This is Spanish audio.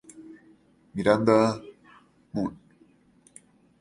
Miranda, Mun.